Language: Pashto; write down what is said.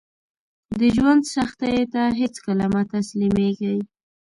د ژوند سختیو ته هیڅکله مه تسلیمیږئ